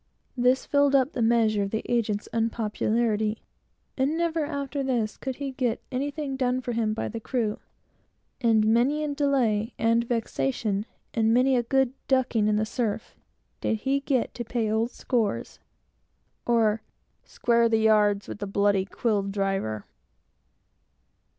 This filled up the measure of the agent's unpopularity, and never after this could he get anything done by any of the crew; and many a delay and vexation, and many a good ducking in the surf, did he get to pay up old scores, or "square the yards with the bloody quill driver."